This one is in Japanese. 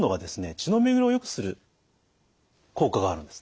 血の巡りをよくする効果があるんです。